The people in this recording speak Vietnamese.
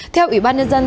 theo ủy ban nhân dân tỉnh